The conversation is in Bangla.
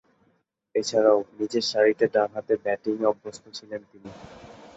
এছাড়াও, নিচেরসারিতে ডানহাতে ব্যাটিংয়ে অভ্যস্ত ছিলেন তিনি।